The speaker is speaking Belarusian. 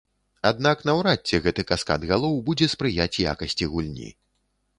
Аднак наўрад ці гэты каскад галоў будзе спрыяць якасці гульні.